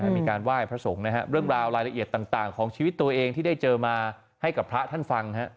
มีการไหว้พระสงฆ์นะครับเรื่องราวรายละเอียดต่างของชีวิตตัวเองที่ได้เจอมาให้กับพระท่านฟัง